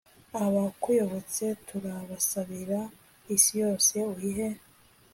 abakuyobotse turasabira isi yose uyihe